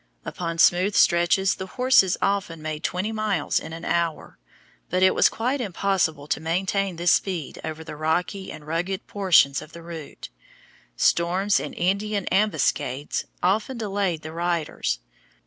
Upon smooth stretches the horses often made twenty miles an hour, but it was quite impossible to maintain this speed over the rocky and rugged portions of the route. Storms and Indian ambuscades often delayed the riders.